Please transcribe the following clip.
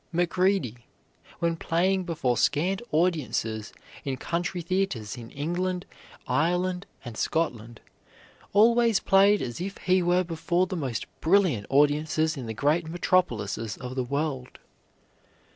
Macready, when playing before scant audiences in country theaters in England, Ireland, and Scotland, always played as if he were before the most brilliant audiences in the great metropolises of the world.